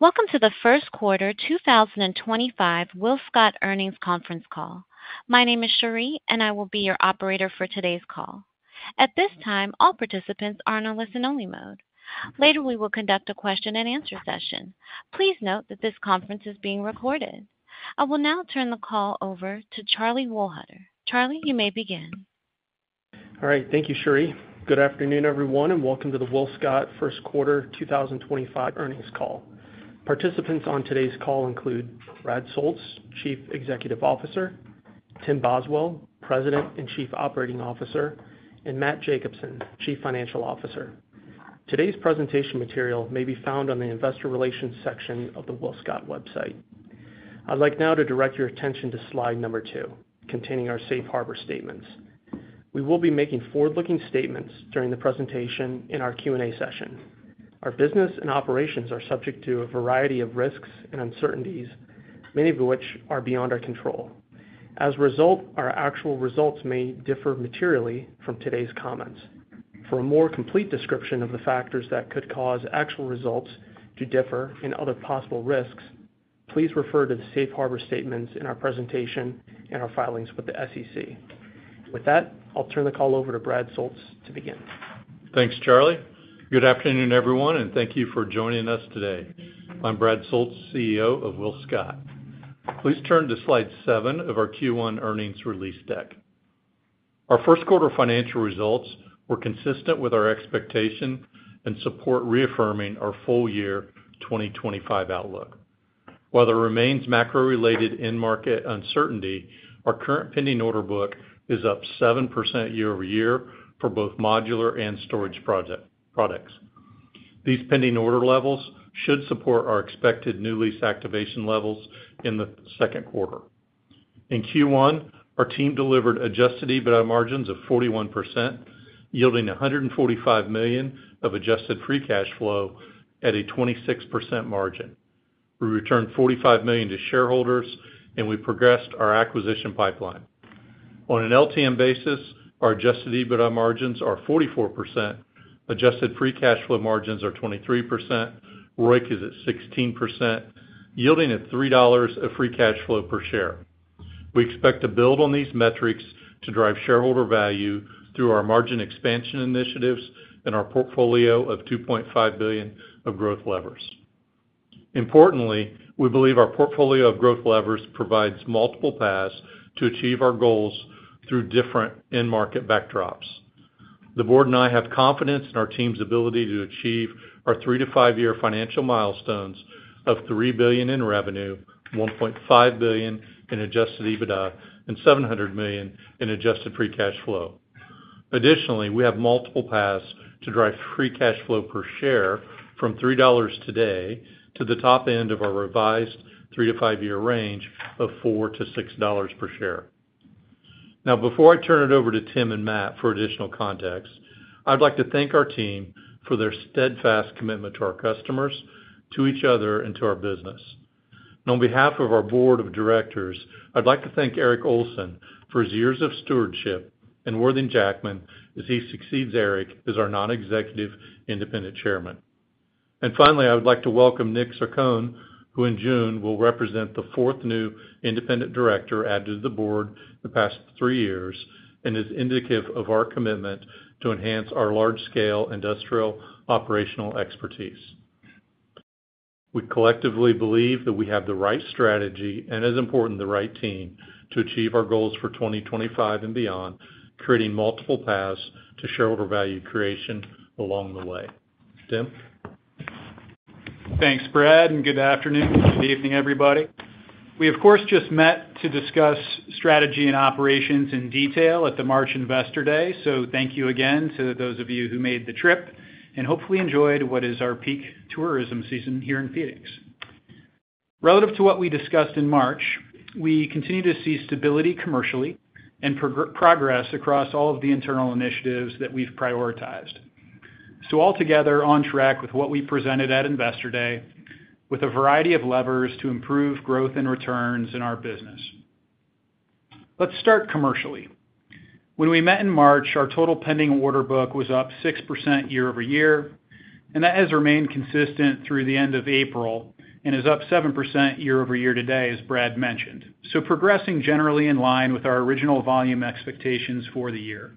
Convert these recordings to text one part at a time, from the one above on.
Welcome to the first quarter 2025 WillScot earnings conference call. My name is Sherri, and I will be your operator for today's call. At this time, all participants are on a listen-only mode. Later, we will conduct a question-and-answer session. Please note that this conference is being recorded. I will now turn the call over to Charlie Wohlhuter. Charlie, you may begin. All right. Thank you, Sherri. Good afternoon, everyone, and welcome to the WillScot first quarter 2025 earnings call. Participants on today's call include Brad Soultz, Chief Executive Officer; Tim Boswell, President and Chief Operating Officer; and Matt Jacobsen, Chief Financial Officer. Today's presentation material may be found on the investor relations section of the WillScot website. I'd like now to direct your attention to slide number two, containing our safe harbor statements. We will be making forward-looking statements during the presentation in our Q&A session. Our business and operations are subject to a variety of risks and uncertainties, many of which are beyond our control. As a result, our actual results may differ materially from today's comments. For a more complete description of the factors that could cause actual results to differ and other possible risks, please refer to the safe harbor statements in our presentation and our filings with the SEC. With that, I'll turn the call over to Brad Soultz to begin. Thanks, Charlie. Good afternoon, everyone, and thank you for joining us today. I'm Brad Soultz, CEO of WillScot. Please turn to slide seven of our Q1 earnings release deck. Our first quarter financial results were consistent with our expectation and support, reaffirming our full year 2025 outlook. While there remains macro-related in-market uncertainty, our current pending order book is up 7% year-over-year for both modular and storage products. These pending order levels should support our expected new lease activation levels in the second quarter. In Q1, our team delivered adjusted EBITDA margins of 41%, yielding $145 million of adjusted free cash flow at a 26% margin. We returned $45 million to shareholders, and we progressed our acquisition pipeline. On an LTM basis, our adjusted EBITDA margins are 44%. Adjusted free cash flow margins are 23%. ROIC is at 16%, yielding $3 of free cash flow per share. We expect to build on these metrics to drive shareholder value through our margin expansion initiatives and our portfolio of $2.5 billion of growth levers. Importantly, we believe our portfolio of growth levers provides multiple paths to achieve our goals through different in-market backdrops. The board and I have confidence in our team's ability to achieve our three to five-year financial milestones of $3 billion in revenue, $1.5 billion in adjusted EBITDA, and $700 million in adjusted free cash flow. Additionally, we have multiple paths to drive free cash flow per share from $3 today to the top end of our revised three to five-year range of $4-6 per share. Now, before I turn it over to Tim and Matt for additional context, I'd like to thank our team for their steadfast commitment to our customers, to each other, and to our business. On behalf of our board of directors, I'd like to thank Erik Olsson for his years of stewardship and Worthing Jackman as he succeeds Erik as our non-Executive Independent Chairman. Finally, I would like to welcome Nick Zarcone, who in June will represent the fourth new independent director added to the board the past three years and is indicative of our commitment to enhance our large-scale industrial operational expertise. We collectively believe that we have the right strategy and, as important, the right team to achieve our goals for 2025 and beyond, creating multiple paths to shareholder value creation along the way. Tim? Thanks, Brad, and good afternoon. Good evening, everybody. We, of course, just met to discuss strategy and operations in detail at the March Investor Day, so thank you again to those of you who made the trip and hopefully enjoyed what is our peak tourism season here in Phoenix. Relative to what we discussed in March, we continue to see stability commercially and progress across all of the internal initiatives that we've prioritized. Altogether, on track with what we presented at Investor Day, with a variety of levers to improve growth and returns in our business. Let's start commercially. When we met in March, our total pending order book was up 6% year-over-year, and that has remained consistent through the end of April and is up 7% year-over-year today, as Brad mentioned. Progressing generally in line with our original volume expectations for the year.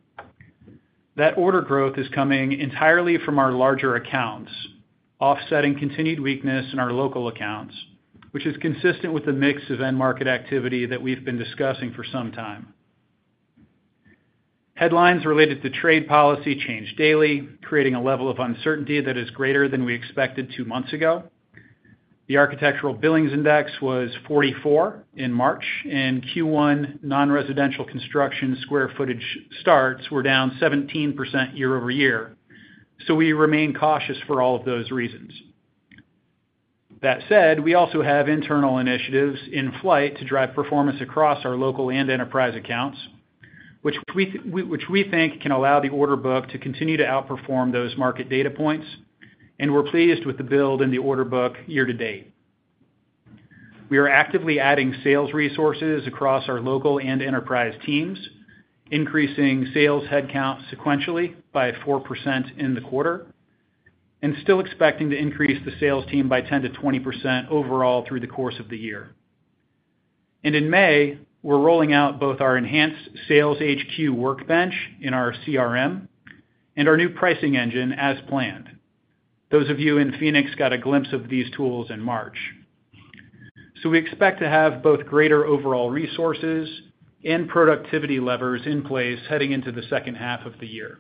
That order growth is coming entirely from our larger accounts, offsetting continued weakness in our local accounts, which is consistent with the mix of end-market activity that we've been discussing for some time. Headlines related to trade policy change daily, creating a level of uncertainty that is greater than we expected two months ago. The Architectural Billings Index was 44 in March, and Q1 non-residential construction square footage starts were down 17% year-over-year. We remain cautious for all of those reasons. That said, we also have internal initiatives in flight to drive performance across our local and enterprise accounts, which we think can allow the order book to continue to outperform those market data points, and we're pleased with the build in the order book year-to-date. We are actively adding sales resources across our local and enterprise teams, increasing sales headcount sequentially by 4% in the quarter, and still expecting to increase the sales team by 10%-20% overall through the course of the year. In May, we're rolling out both our enhanced Sales HQ workbench in our CRM and our new pricing engine as planned. Those of you in Phoenix got a glimpse of these tools in March. We expect to have both greater overall resources and productivity levers in place heading into the second half of the year.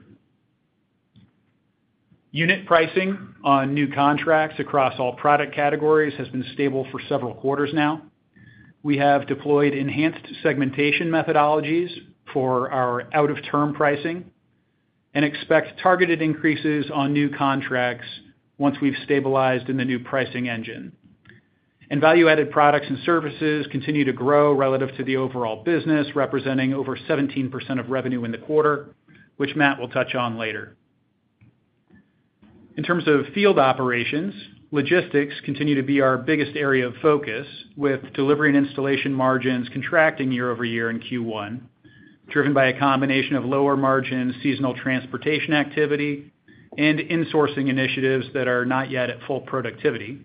Unit pricing on new contracts across all product categories has been stable for several quarters now. We have deployed enhanced segmentation methodologies for our out-of-term pricing and expect targeted increases on new contracts once we've stabilized in the new pricing engine. Value-added products and services continue to grow relative to the overall business, representing over 17% of revenue in the quarter, which Matt will touch on later. In terms of field operations, logistics continue to be our biggest area of focus, with delivery and installation margins contracting year-over-year in Q1, driven by a combination of lower margin seasonal transportation activity and insourcing initiatives that are not yet at full productivity.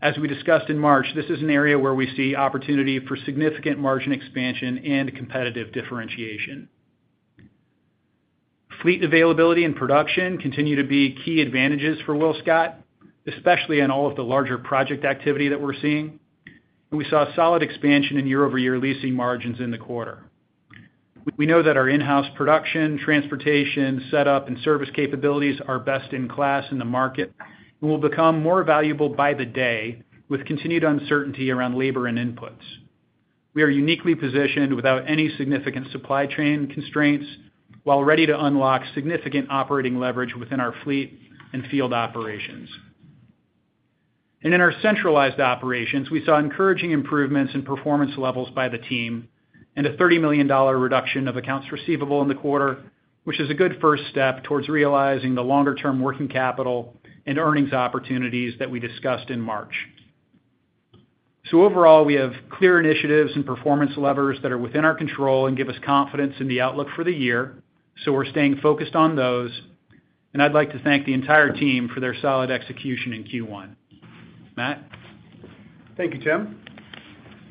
As we discussed in March, this is an area where we see opportunity for significant margin expansion and competitive differentiation. Fleet availability and production continue to be key advantages for WillScot, especially in all of the larger project activity that we are seeing. We saw solid expansion in year-over-year leasing margins in the quarter. We know that our in-house production, transportation, setup, and service capabilities are best in class in the market and will become more valuable by the day with continued uncertainty around labor and inputs. We are uniquely positioned without any significant supply chain constraints while ready to unlock significant operating leverage within our fleet and field operations. In our centralized operations, we saw encouraging improvements in performance levels by the team and a $30 million reduction of accounts receivable in the quarter, which is a good first step towards realizing the longer-term working capital and earnings opportunities that we discussed in March. Overall, we have clear initiatives and performance levers that are within our control and give us confidence in the outlook for the year. We are staying focused on those. I would like to thank the entire team for their solid execution in Q1. Matt? Thank you, Tim.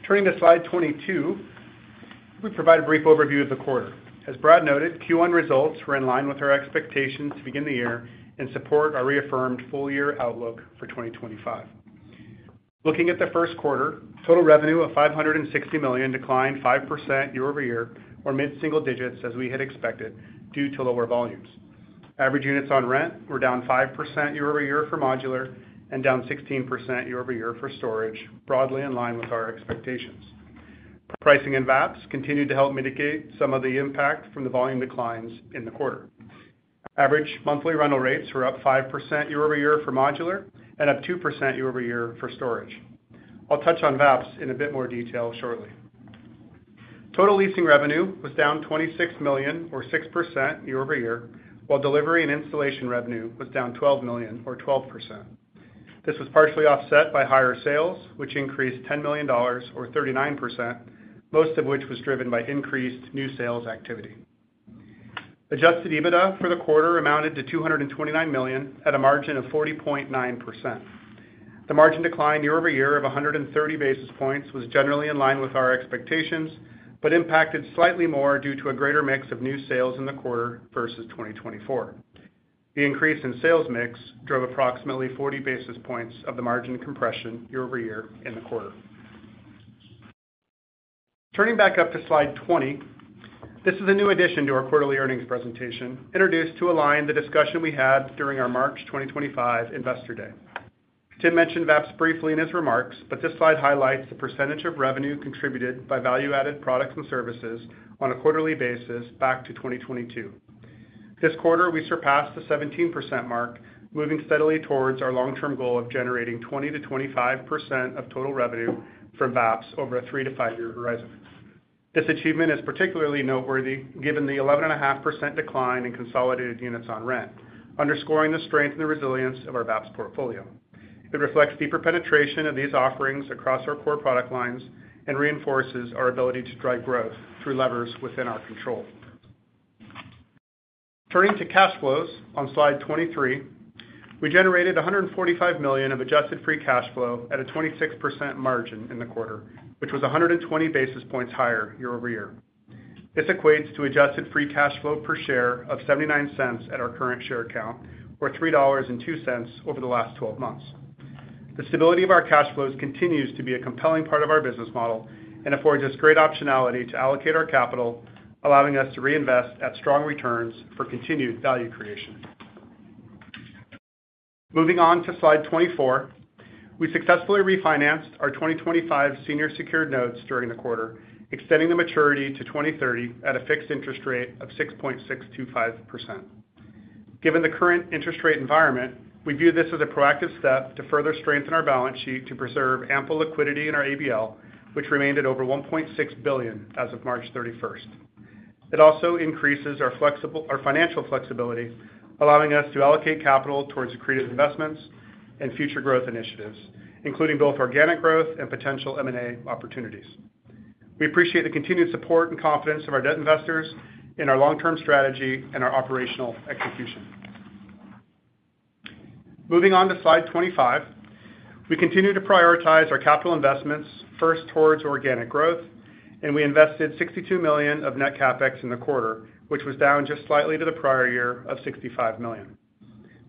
Turning to slide 22, we provide a brief overview of the quarter. As Brad noted, Q1 results were in line with our expectations to begin the year and support our reaffirmed full-year outlook for 2025. Looking at the first quarter, total revenue of $560 million declined 5% year-over-year or mid-single digits as we had expected due to lower volumes. Average units on rent were down 5% year-over-year for modular and down 16% year-over-year for storage, broadly in line with our expectations. Pricing and VAPs continued to help mitigate some of the impact from the volume declines in the quarter. Average monthly rental rates were up 5% year-over-year for modular and up 2% year-over-year for storage. I'll touch on VAPs in a bit more detail shortly. Total leasing revenue was down $26 million, or 6% year-over-year, while delivery and installation revenue was down $12 million, or 12%. This was partially offset by higher sales, which increased $10 million, or 39%, most of which was driven by increased new sales activity. Adjusted EBITDA for the quarter amounted to $229 million at a margin of 40.9%. The margin decline year-over-year of 130 basis points was generally in line with our expectations but impacted slightly more due to a greater mix of new sales in the quarter versus 2024. The increase in sales mix drove approximately 40 basis points of the margin compression year-over-year in the quarter. Turning back up to slide 20, this is a new addition to our quarterly earnings presentation introduced to align the discussion we had during our March 2025 Investor Day. Tim mentioned VAPs briefly in his remarks, but this slide highlights the percentage of revenue contributed by value-added products and services on a quarterly basis back to 2022. This quarter, we surpassed the 17% mark, moving steadily towards our long-term goal of generating 20%-25% of total revenue from VAPs over a three to five-year horizon. This achievement is particularly noteworthy given the 11.5% decline in consolidated units on rent, underscoring the strength and the resilience of our VAPs portfolio. It reflects deeper penetration of these offerings across our core product lines and reinforces our ability to drive growth through levers within our control. Turning to cash flows on slide 23, we generated $145 million of adjusted free cash flow at a 26% margin in the quarter, which was 120 basis points higher year-over-year. This equates to adjusted free cash flow per share of $0.79 at our current share count, or $3.02 over the last 12 months. The stability of our cash flows continues to be a compelling part of our business model and affords us great optionality to allocate our capital, allowing us to reinvest at strong returns for continued value creation. Moving on to slide 24, we successfully refinanced our 2025 senior secured notes during the quarter, extending the maturity to 2030 at a fixed interest rate of 6.625%. Given the current interest rate environment, we view this as a proactive step to further strengthen our balance sheet to preserve ample liquidity in our ABL, which remained at over $1.6 billion as of March 31st. It also increases our financial flexibility, allowing us to allocate capital towards accretive investments and future growth initiatives, including both organic growth and potential M&A opportunities. We appreciate the continued support and confidence of our debt investors in our long-term strategy and our operational execution. Moving on to slide 25, we continue to prioritize our capital investments first towards organic growth, and we invested $62 million of net CapEx in the quarter, which was down just slightly to the prior year of $65 million.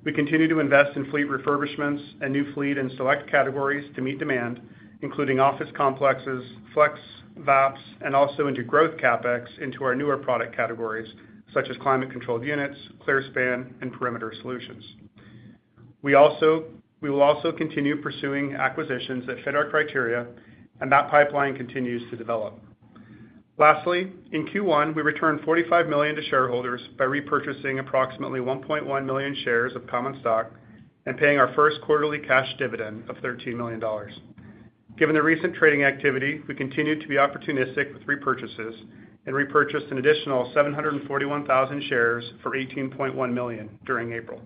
We continue to invest in fleet refurbishments and new fleet and select categories to meet demand, including office complexes, FLEX, VAPs, and also into growth CapEx into our newer product categories such as climate-controlled units, Clearspan, and perimeter solutions. We will also continue pursuing acquisitions that fit our criteria, and that pipeline continues to develop. Lastly, in Q1, we returned $45 million to shareholders by repurchasing approximately 1.1 million shares of common stock and paying our first quarterly cash dividend of $13 million. Given the recent trading activity, we continued to be opportunistic with repurchases and repurchased an additional 741,000 shares for $18.1 million during April.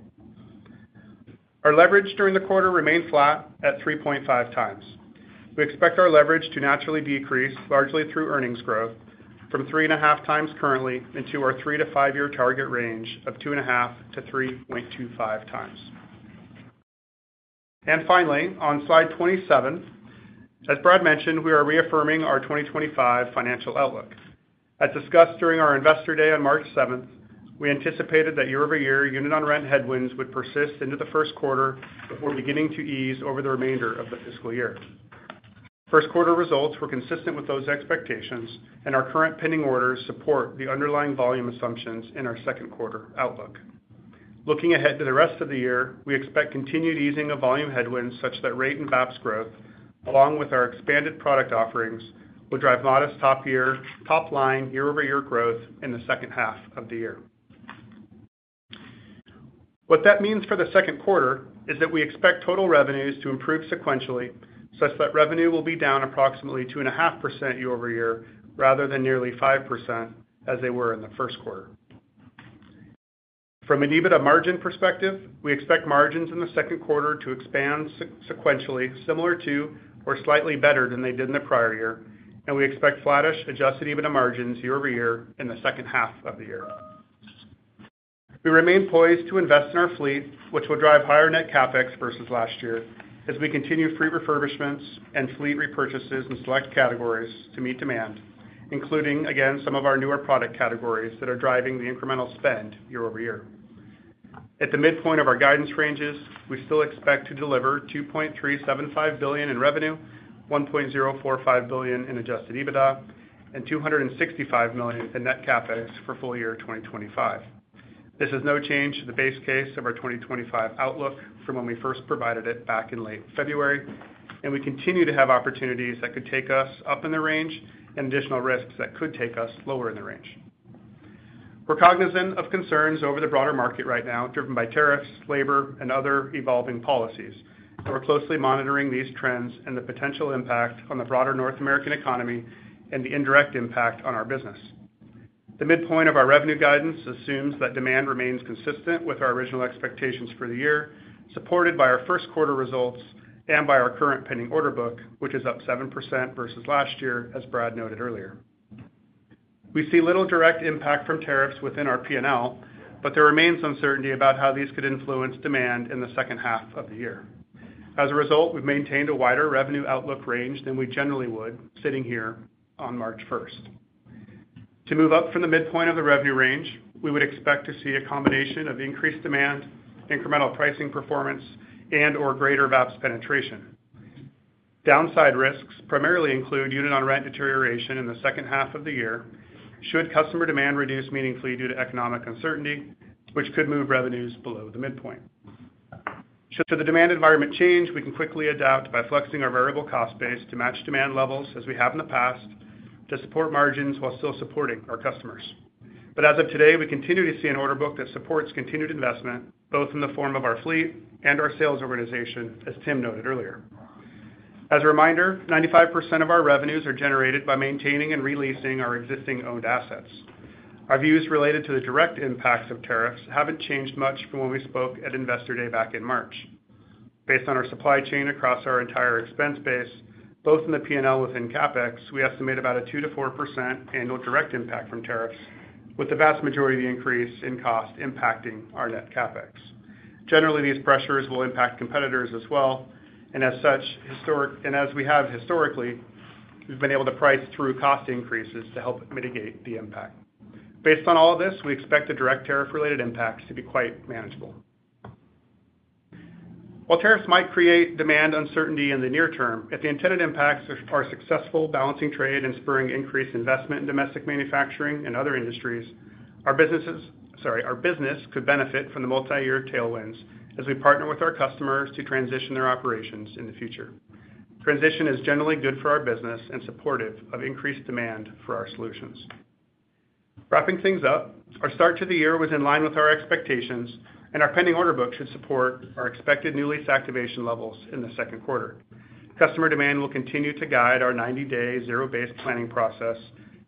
Our leverage during the quarter remained flat at 3.5x. We expect our leverage to naturally decrease largely through earnings growth from 3.5x currently into our three to five-year target range of 2.5x-3.25x. Finally, on slide 27, as Brad mentioned, we are reaffirming our 2025 financial outlook. As discussed during our Investor Day on March 7th, we anticipated that year-over-year unit on rent headwinds would persist into the first quarter before beginning to ease over the remainder of the fiscal year. First quarter results were consistent with those expectations, and our current pending orders support the underlying volume assumptions in our second quarter outlook. Looking ahead to the rest of the year, we expect continued easing of volume headwinds such that rate and VAPs growth, along with our expanded product offerings, will drive modest top-line, year-over-year growth in the second half of the year. What that means for the second quarter is that we expect total revenues to improve sequentially such that revenue will be down approximately 2.5% year-over-year rather than nearly 5% as they were in the first quarter. From an EBITDA margin perspective, we expect margins in the second quarter to expand sequentially similar to or slightly better than they did in the prior year, and we expect flattish adjusted EBITDA margins year-over-year in the second half of the year. We remain poised to invest in our fleet, which will drive higher net CapEx versus last year as we continue fleet refurbishments and fleet repurchases in select categories to meet demand, including, again, some of our newer product categories that are driving the incremental spend year-over-year. At the midpoint of our guidance ranges, we still expect to deliver $2.375 billion in revenue, $1.045 billion in adjusted EBITDA, and $265 million in net CapEx for full year 2025. This is no change to the base case of our 2025 outlook from when we first provided it back in late February, and we continue to have opportunities that could take us up in the range and additional risks that could take us lower in the range. We're cognizant of concerns over the broader market right now driven by tariffs, labor, and other evolving policies, and we're closely monitoring these trends and the potential impact on the broader North American economy and the indirect impact on our business. The midpoint of our revenue guidance assumes that demand remains consistent with our original expectations for the year, supported by our first quarter results and by our current pending order book, which is up 7% versus last year, as Brad noted earlier. We see little direct impact from tariffs within our P&L, but there remains uncertainty about how these could influence demand in the second half of the year. As a result, we've maintained a wider revenue outlook range than we generally would sitting here on March 1st. To move up from the midpoint of the revenue range, we would expect to see a combination of increased demand, incremental pricing performance, and/or greater VAPs penetration. Downside risks primarily include unit on rent deterioration in the second half of the year should customer demand reduce meaningfully due to economic uncertainty, which could move revenues below the midpoint. Should the demand environment change, we can quickly adapt by flexing our variable cost base to match demand levels as we have in the past to support margins while still supporting our customers. As of today, we continue to see an order book that supports continued investment, both in the form of our fleet and our sales organization, as Tim noted earlier. As a reminder, 95% of our revenues are generated by maintaining and releasing our existing owned assets. Our views related to the direct impacts of tariffs have not changed much from when we spoke at Investor Day back in March. Based on our supply chain across our entire expense base, both in the P&L within CapEx, we estimate about a 2%-4% annual direct impact from tariffs, with the vast majority of the increase in cost impacting our net CapEx. Generally, these pressures will impact competitors as well, and as we have historically, we've been able to price through cost increases to help mitigate the impact. Based on all of this, we expect the direct tariff-related impacts to be quite manageable. While tariffs might create demand uncertainty in the near term, if the intended impacts are successful, balancing trade and spurring increased investment in domestic manufacturing and other industries, our business could benefit from the multi-year tailwinds as we partner with our customers to transition their operations in the future. Transition is generally good for our business and supportive of increased demand for our solutions. Wrapping things up, our start to the year was in line with our expectations, and our pending order book should support our expected new lease activation levels in the second quarter. Customer demand will continue to guide our 90-day zero-based planning process,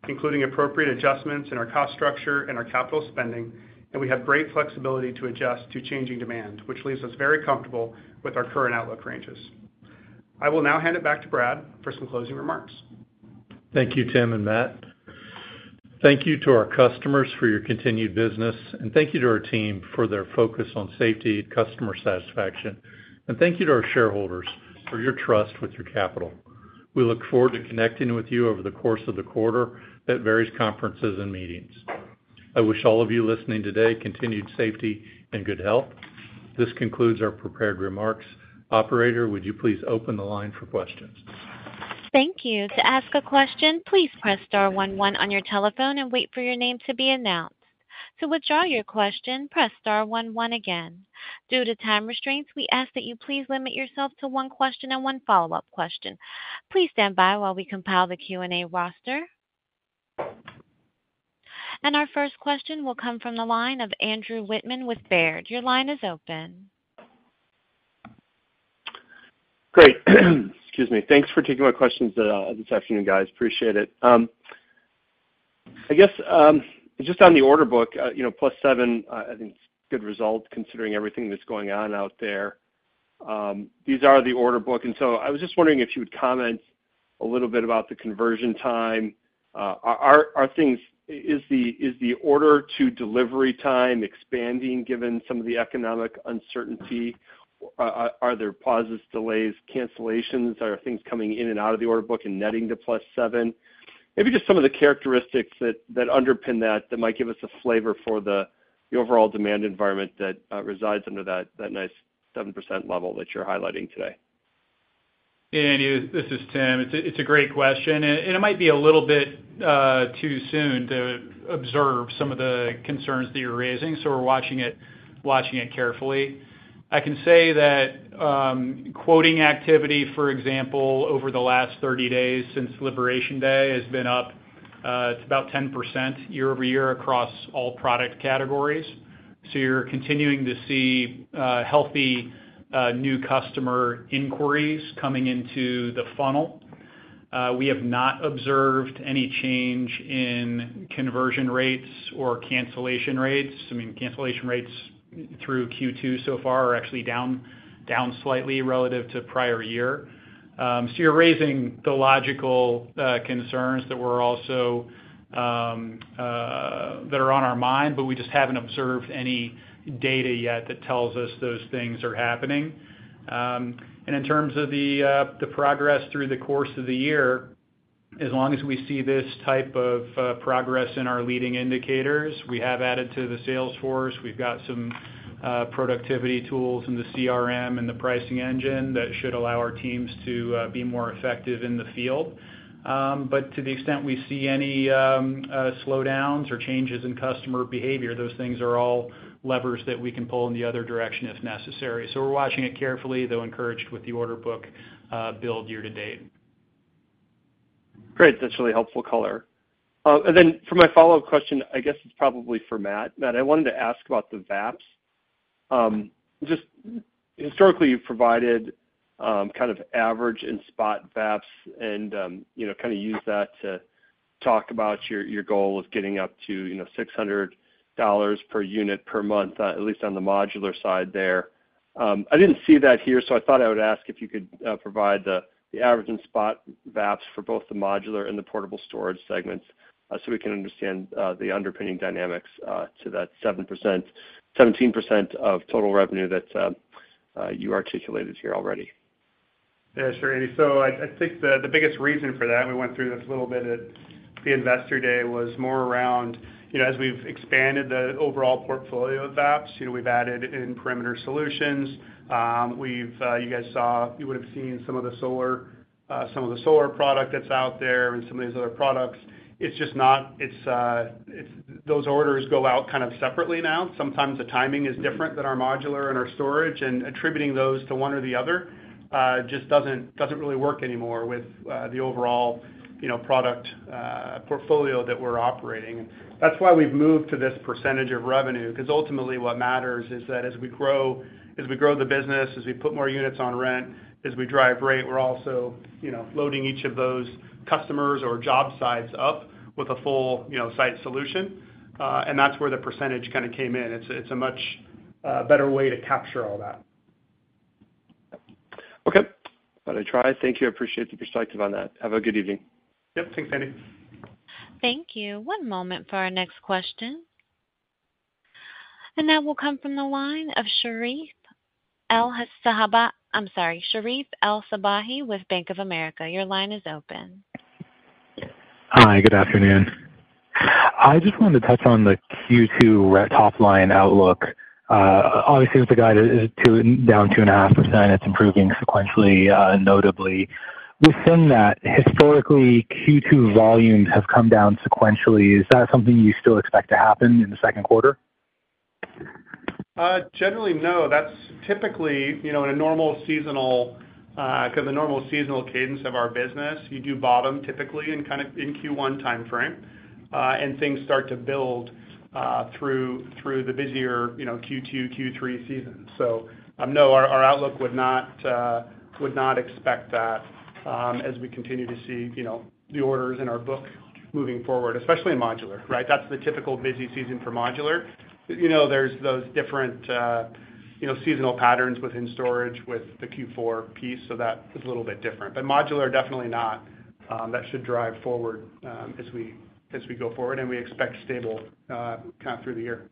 including appropriate adjustments in our cost structure and our capital spending, and we have great flexibility to adjust to changing demand, which leaves us very comfortable with our current outlook ranges. I will now hand it back to Brad for some closing remarks. Thank you, Tim and Matt. Thank you to our customers for your continued business, and thank you to our team for their focus on safety and customer satisfaction, and thank you to our shareholders for your trust with your capital. We look forward to connecting with you over the course of the quarter at various conferences and meetings. I wish all of you listening today continued safety and good health. This concludes our prepared remarks. Operator, would you please open the line for questions? Thank you. To ask a question, please press star one one on your telephone and wait for your name to be announced. To withdraw your question, press star one one again. Due to time restraints, we ask that you please limit yourself to one question and one follow-up question. Please stand by while we compile the Q&A roster. Our first question will come from the line of Andrew Wittmann with Baird. Your line is open. Great. Excuse me. Thanks for taking my questions this afternoon, guys. Appreciate it. I guess just on the order book, +7%, I think it's a good result considering everything that's going on out there. These are the order book. I was just wondering if you would comment a little bit about the conversion time. Is the order-to-delivery time expanding given some of the economic uncertainty? Are there pauses, delays, cancellations? Are things coming in and out of the order book and netting to +7%? Maybe just some of the characteristics that underpin that that might give us a flavor for the overall demand environment that resides under that nice 7% level that you're highlighting today. Yeah, Andy, this is Tim. It's a great question, and it might be a little bit too soon to observe some of the concerns that you're raising, so we're watching it carefully. I can say that quoting activity, for example, over the last 30 days since Liberation Day has been up to about 10% year-over-year across all product categories. You're continuing to see healthy new customer inquiries coming into the funnel. We have not observed any change in conversion rates or cancellation rates. I mean, cancellation rates through Q2 so far are actually down slightly relative to prior year. You're raising the logical concerns that are on our mind, but we just haven't observed any data yet that tells us those things are happening. In terms of the progress through the course of the year, as long as we see this type of progress in our leading indicators, we have added to the Salesforce. We've got some productivity tools in the CRM and the pricing engine that should allow our teams to be more effective in the field. To the extent we see any slowdowns or changes in customer behavior, those things are all levers that we can pull in the other direction if necessary. We are watching it carefully, though encouraged with the order book build year-to-date. Great. That's really helpful color. For my follow-up question, I guess it's probably for Matt. Matt, I wanted to ask about the VAPs. Just historically, you've provided kind of average and spot VAPs and kind of used that to talk about your goal of getting up to $600 per unit per month, at least on the modular side there. I didn't see that here, so I thought I would ask if you could provide the average and spot VAPs for both the modular and the portable storage segments so we can understand the underpinning dynamics to that 17% of total revenue that you articulated here already. Yeah, sure, Andy. I think the biggest reason for that, we went through this a little bit at the Investor Day, was more around as we've expanded the overall portfolio of VAPs, we've added in perimeter solutions. You guys saw, you would have seen some of the solar product that's out there and some of these other products. It's just not, those orders go out kind of separately now. Sometimes the timing is different than our modular and our storage, and attributing those to one or the other just doesn't really work anymore with the overall product portfolio that we're operating. That is why we've moved to this percentage of revenue, because ultimately what matters is that as we grow the business, as we put more units on rent, as we drive rate, we're also loading each of those customers or job sites up with a full site solution, and that's where the percentage kind of came in. It's a much better way to capture all that. Okay. Got to try. Thank you. I appreciate the perspective on that. Have a good evening. Yep. Thanks, Andy. Thank you. One moment for our next question. That will come from the line of Sherif El-Sabbahy with Bank of America. Your line is open. Hi. Good afternoon. I just wanted to touch on the Q2 top-line outlook. Obviously, with the guidance down 2.5%, it's improving sequentially, notably. Within that, historically, Q2 volumes have come down sequentially. Is that something you still expect to happen in the second quarter? Generally, no. That's typically in a normal seasonal because the normal seasonal cadence of our business, you do bottom typically in kind of in Q1 timeframe, and things start to build through the busier Q2, Q3 season. No, our outlook would not expect that as we continue to see the orders in our book moving forward, especially in modular, right? That's the typical busy season for modular. There are those different seasonal patterns within storage with the Q4 piece, so that is a little bit different. Modular, definitely not. That should drive forward as we go forward, and we expect stable kind of through the year.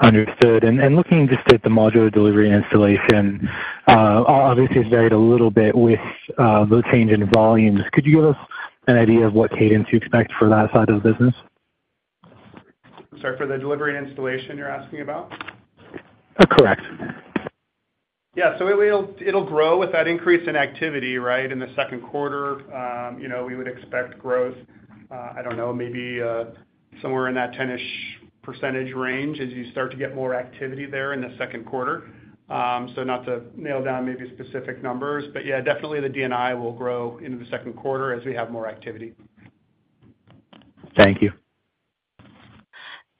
Understood. Looking just at the modular delivery and installation, obviously, it's varied a little bit with the change in volumes. Could you give us an idea of what cadence you expect for that side of the business? Sorry, for the delivery and installation you're asking about? Correct. Yeah. It'll grow with that increase in activity, right? In the second quarter, we would expect growth, I don't know, maybe somewhere in that 10-ish percentage range as you start to get more activity there in the second quarter. Not to nail down maybe specific numbers, but yeah, definitely the D&I will grow into the second quarter as we have more activity. Thank you.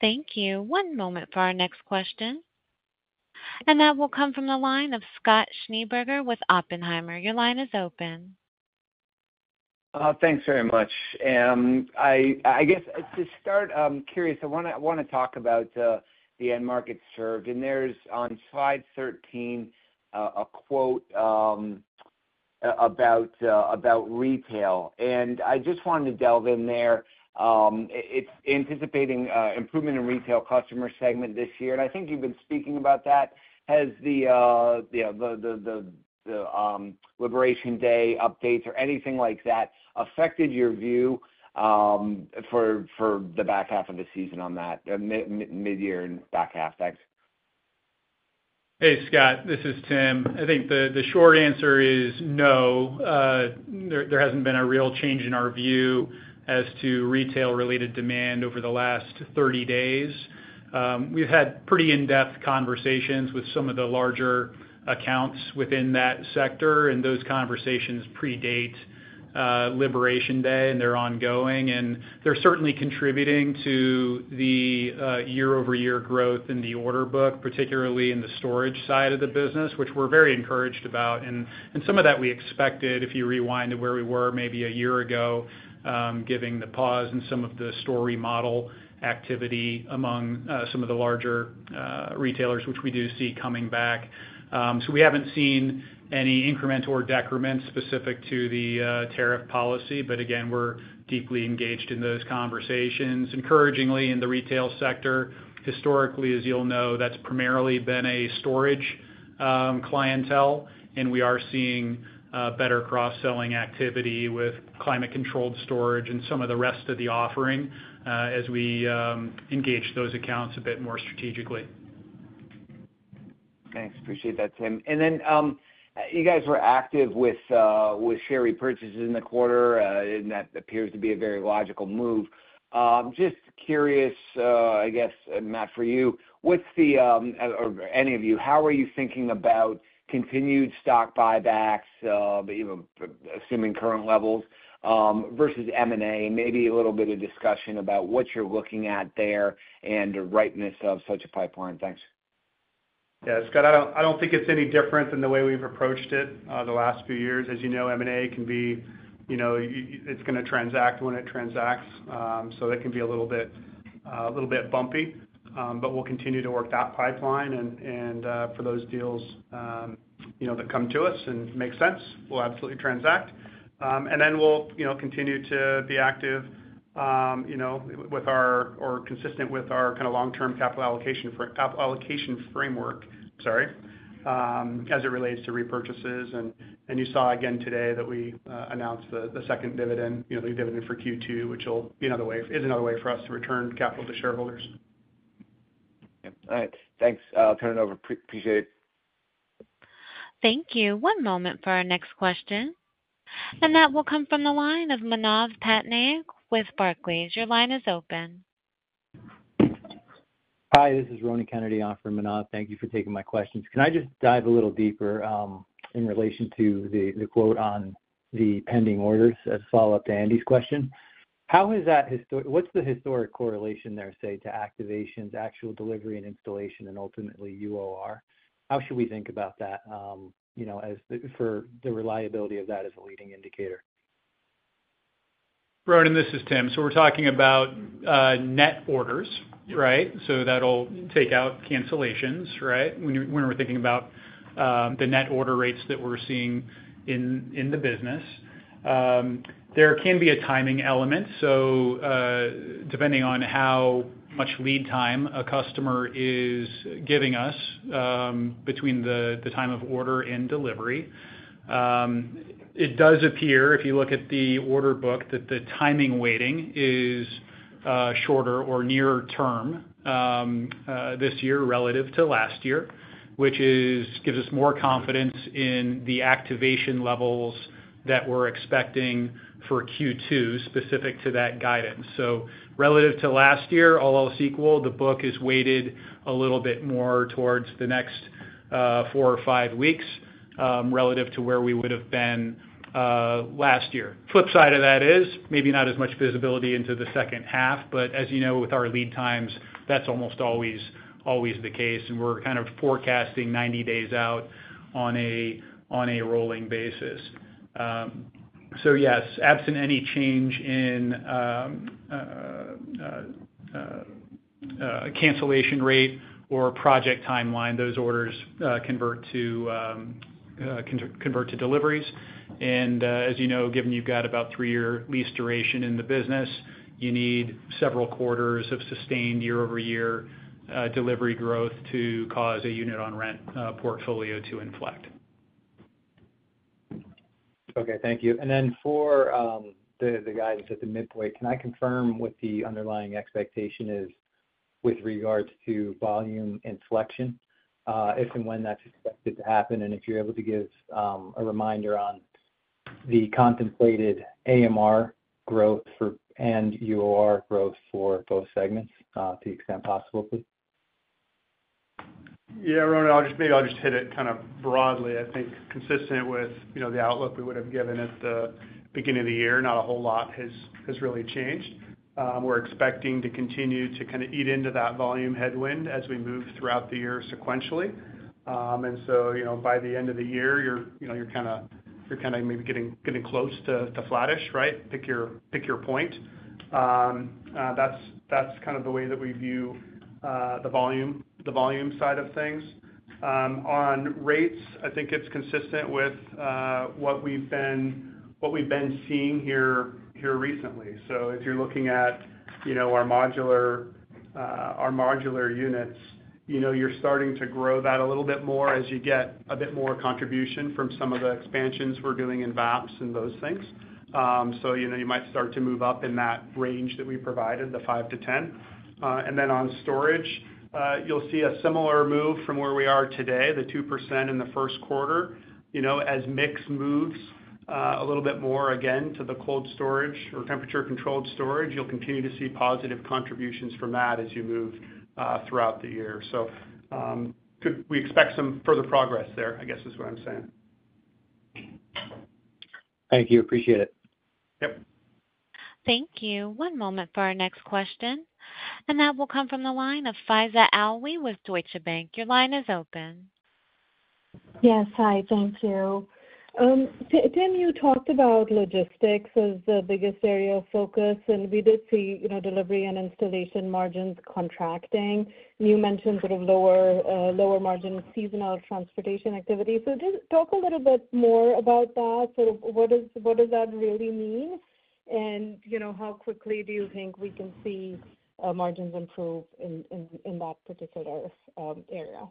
Thank you. One moment for our next question. That will come from the line of Scott Schneeberger with Oppenheimer. Your line is open. Thanks very much. I guess to start, I'm curious. I want to talk about the end market served. There's on slide 13 a quote about retail. I just wanted to delve in there. It's anticipating improvement in retail customer segment this year. I think you've been speaking about that. Has the Liberation Day updates or anything like that affected your view for the back half of the season on that, mid-year and back half? Thanks. Hey, Scott. This is Tim. I think the short answer is no. There hasn't been a real change in our view as to retail-related demand over the last 30 days. We've had pretty in-depth conversations with some of the larger accounts within that sector, and those conversations predate Liberation Day, and they're ongoing. They're certainly contributing to the year-over-year growth in the order book, particularly in the storage side of the business, which we're very encouraged about. Some of that we expected if you rewind to where we were maybe a year ago, given the pause in some of the store remodel activity among some of the larger retailers, which we do see coming back. We haven't seen any increment or decrement specific to the tariff policy, but again, we're deeply engaged in those conversations. Encouragingly, in the retail sector, historically, as you'll know, that's primarily been a storage clientele, and we are seeing better cross-selling activity with climate-controlled storage and some of the rest of the offering as we engage those accounts a bit more strategically. Thanks. Appreciate that, Tim. You guys were active with share purchases in the quarter, and that appears to be a very logical move. Just curious, I guess, Matt, for you, or any of you, how are you thinking about continued stock buybacks, assuming current levels, versus M&A? Maybe a little bit of discussion about what you're looking at there and the rightness of such a pipeline. Thanks. Yeah. Scott, I don't think it's any different than the way we've approached it the last few years. As you know, M&A can be it's going to transact when it transacts, so it can be a little bit bumpy. We'll continue to work that pipeline, and for those deals that come to us and make sense, we'll absolutely transact. We'll continue to be active with our or consistent with our kind of long-term capital allocation framework, sorry, as it relates to repurchases. You saw again today that we announced the second dividend, the dividend for Q2, which will be another way is another way for us to return capital to shareholders. Yep. All right. Thanks. I'll turn it over. Appreciate it. Thank you. One moment for our next question. That will come from the line of Manav Patnaik with Barclays. Your line is open. Hi. This is Ronan Kennedy on for Manav. Thank you for taking my questions. Can I just dive a little deeper in relation to the quote on the pending orders as a follow-up to Andy's question? How has that, what's the historic correlation there, say, to activations, actual delivery and installation, and ultimately UOR? How should we think about that for the reliability of that as a leading indicator? Ronan, this is Tim. We're talking about net orders, right? That'll take out cancellations, right, when we're thinking about the net order rates that we're seeing in the business. There can be a timing element. Depending on how much lead time a customer is giving us between the time of order and delivery, it does appear, if you look at the order book, that the timing waiting is shorter or nearer term this year relative to last year, which gives us more confidence in the activation levels that we're expecting for Q2 specific to that guidance. Relative to last year, all else equal, the book is weighted a little bit more towards the next four or five weeks relative to where we would have been last year. Flip side of that is maybe not as much visibility into the second half, but as you know, with our lead times, that's almost always the case, and we're kind of forecasting 90 days out on a rolling basis. Yes, absent any change in cancellation rate or project timeline, those orders convert to deliveries. As you know, given you've got about three-year lease duration in the business, you need several quarters of sustained year-over-year delivery growth to cause a unit-on-rent portfolio to inflect. Okay. Thank you. For the guidance at the midpoint, can I confirm what the underlying expectation is with regards to volume inflection, if and when that's expected to happen, and if you're able to give a reminder on the contemplated AMR growth and UOR growth for both segments to the extent possible, please? Yeah. Ronan, maybe I'll just hit it kind of broadly. I think consistent with the outlook we would have given at the beginning of the year, not a whole lot has really changed. We're expecting to continue to kind of eat into that volume headwind as we move throughout the year sequentially. By the end of the year, you're kind of maybe getting close to flattish, right? Pick your point. That's kind of the way that we view the volume side of things. On rates, I think it's consistent with what we've been seeing here recently. If you're looking at our modular units, you're starting to grow that a little bit more as you get a bit more contribution from some of the expansions we're doing in VAPs and those things. You might start to move up in that range that we provided, the 5%-10%. On storage, you'll see a similar move from where we are today, the 2% in the first quarter, as mix moves a little bit more again to the cold storage or temperature-controlled storage. You'll continue to see positive contributions from that as you move throughout the year. We expect some further progress there, I guess, is what I'm saying. Thank you. Appreciate it. Yep. Thank you. One moment for our next question. That will come from the line of Faiza Alwy with Deutsche Bank. Your line is open. Yes. Hi. Thank you. Tim, you talked about logistics as the biggest area of focus, and we did see delivery and installation margins contracting. You mentioned sort of lower margin seasonal transportation activity. Just talk a little bit more about that. What does that really mean, and how quickly do you think we can see margins improve in that particular area?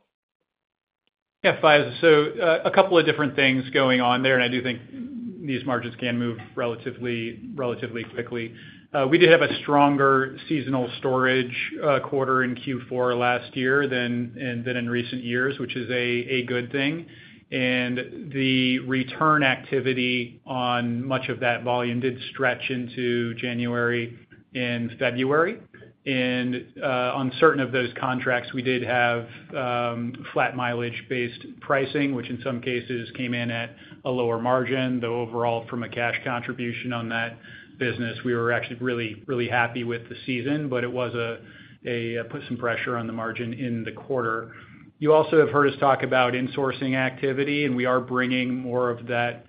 Yeah. Faiza, a couple of different things going on there, and I do think these margins can move relatively quickly. We did have a stronger seasonal storage quarter in Q4 last year than in recent years, which is a good thing. The return activity on much of that volume did stretch into January and February. On certain of those contracts, we did have flat mileage-based pricing, which in some cases came in at a lower margin. Though overall, from a cash contribution on that business, we were actually really, really happy with the season, but it put some pressure on the margin in the quarter. You also have heard us talk about insourcing activity, and we are bringing more of that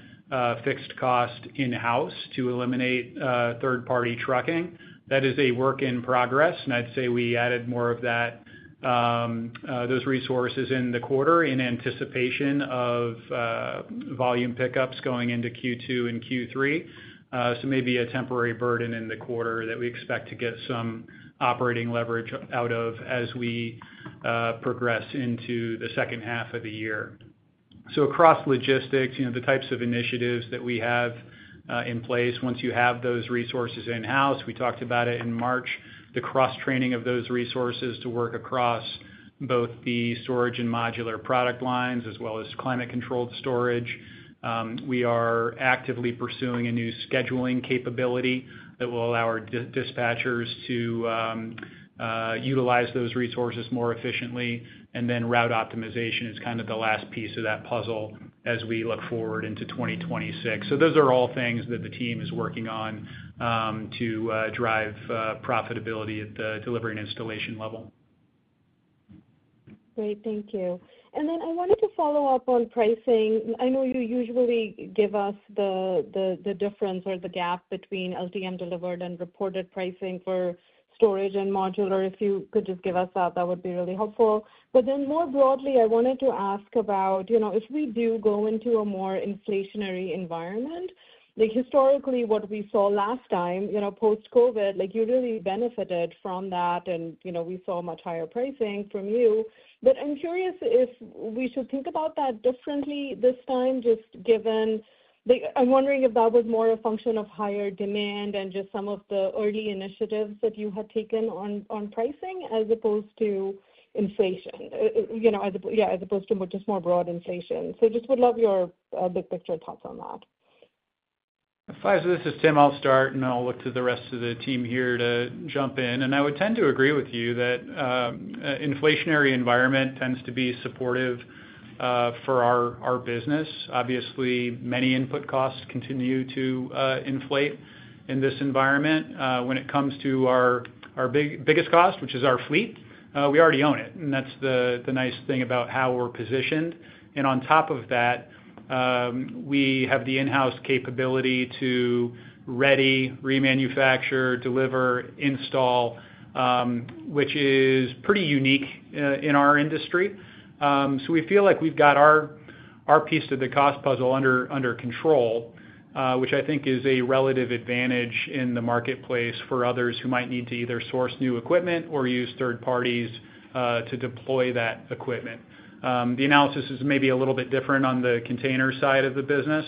fixed cost in-house to eliminate third-party trucking. That is a work in progress, and I'd say we added more of those resources in the quarter in anticipation of volume pickups going into Q2 and Q3. Maybe a temporary burden in the quarter that we expect to get some operating leverage out of as we progress into the second half of the year. Across logistics, the types of initiatives that we have in place, once you have those resources in-house—we talked about it in March—the cross-training of those resources to work across both the storage and modular product lines as well as climate-controlled storage. We are actively pursuing a new scheduling capability that will allow our dispatchers to utilize those resources more efficiently. Route optimization is kind of the last piece of that puzzle as we look forward into 2026. Those are all things that the team is working on to drive profitability at the delivery and installation level. Great. Thank you. I wanted to follow up on pricing. I know you usually give us the difference or the gap between LTM-delivered and reported pricing for storage and modular. If you could just give us that, that would be really helpful. More broadly, I wanted to ask about if we do go into a more inflationary environment, historically, what we saw last time post-COVID, you really benefited from that, and we saw much higher pricing from you. I'm curious if we should think about that differently this time, just given I'm wondering if that was more a function of higher demand and just some of the early initiatives that you had taken on pricing as opposed to inflation, as opposed to just more broad inflation. I would love your big picture thoughts on that. Faiza, this is Tim. I'll start, and I'll look to the rest of the team here to jump in. I would tend to agree with you that an inflationary environment tends to be supportive for our business. Obviously, many input costs continue to inflate in this environment. When it comes to our biggest cost, which is our fleet, we already own it, and that's the nice thing about how we're positioned. On top of that, we have the in-house capability to ready, remanufacture, deliver, install, which is pretty unique in our industry. We feel like we've got our piece of the cost puzzle under control, which I think is a relative advantage in the marketplace for others who might need to either source new equipment or use third parties to deploy that equipment. The analysis is maybe a little bit different on the container side of the business,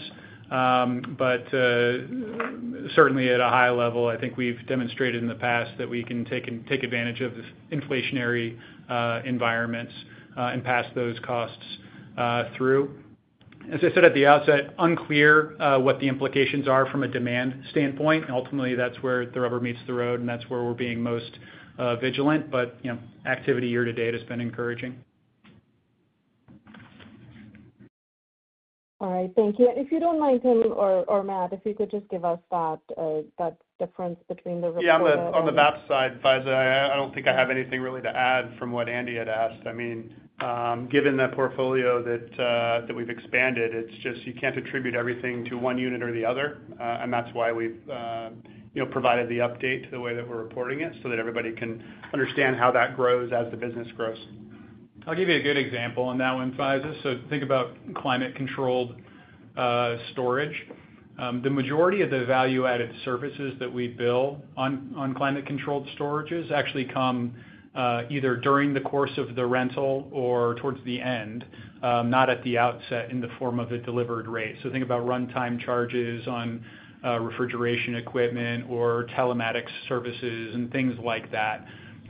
but certainly at a high level, I think we've demonstrated in the past that we can take advantage of inflationary environments and pass those costs through. As I said at the outset, unclear what the implications are from a demand standpoint. Ultimately, that's where the rubber meets the road, and that's where we're being most vigilant, but activity year-to-date has been encouraging. All right. Thank you. If you don't mind, Tim or Matt, if you could just give us that difference between. Yeah. On the VAP side, Faiza, I do not think I have anything really to add from what Andy had asked. I mean, given the portfolio that we have expanded, it is just you cannot attribute everything to one unit or the other, and that is why we have provided the update the way that we are reporting it so that everybody can understand how that grows as the business grows. I will give you a good example on that one, Faiza. Think about climate-controlled storage. The majority of the value-added services that we bill on climate-controlled storage is actually coming either during the course of the rental or towards the end, not at the outset in the form of a delivered rate. Think about runtime charges on refrigeration equipment or telematics services and things like that.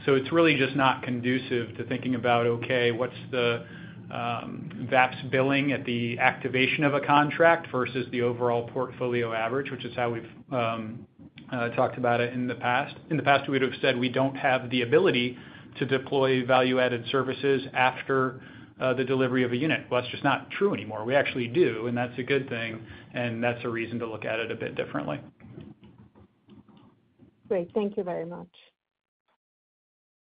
It is really just not conducive to thinking about, okay, what is the VAP's billing at the activation of a contract versus the overall portfolio average, which is how we have talked about it in the past. In the past, we would have said we do not have the ability to deploy value-added services after the delivery of a unit. That is just not true anymore. We actually do, and that is a good thing, and that is a reason to look at it a bit differently. Great. Thank you very much.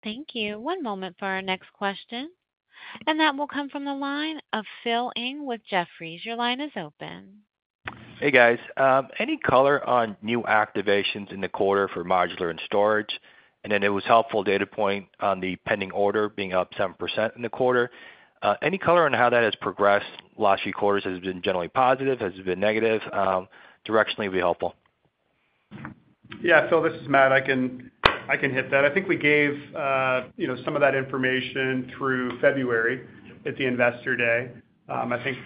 Thank you. One moment for our next question, and that will come from the line of Phil Ng with Jefferies. Your line is open. Hey, guys. Any color on new activations in the quarter for modular and storage? It was a helpful data point on the pending order being up 7% in the quarter. Any color on how that has progressed last few quarters? Has it been generally positive? Has it been negative? Directionally would be helpful. Yeah. Phil, this is Matt. I can hit that. I think we gave some of that information through February at the Investor Day. I think